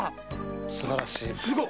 すばらしい。